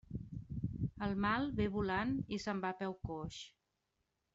El mal ve volant i se'n va a peu coix.